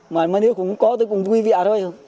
mà nếu cũng có tôi cũng vui vẻ thôi